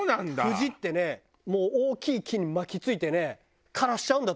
藤ってねもう大きい木に巻きついてね枯らしちゃうんだって木を。